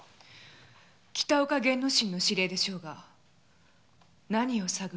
北岡源之進の指令でしょうが何を探るためなのか。